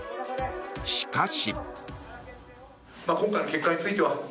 しかし。